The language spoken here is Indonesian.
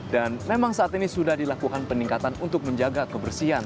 dan memang saat ini sudah dilakukan peningkatan untuk menjaga kebersihan